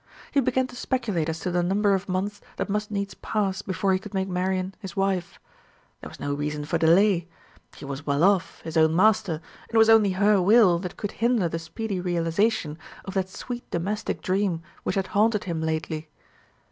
He began to speculate as to the number of months that must needs pass before he could make Marian his wife. There was no reason for delay. He was well off, his own master, and it was only her will that could hinder the speedy realization of that sweet domestic dream which had haunted him lately.